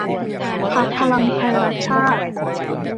พรรคพลังไทยรักชาติ